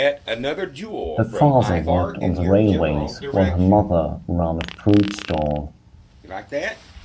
Her father worked on the railways while her mother ran a fruit stall.